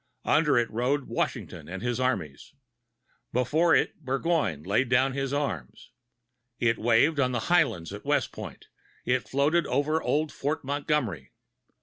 Under it rode Washington and his armies; before it Burgoyne laid down his arms. It waved on the highlands at West Point; it floated over old Fort Montgomery.